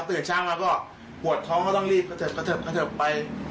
ถ้าตื่นเช้ามาก็ปวดท้องก็ต้องรีบกระเทิบกระเทิบไป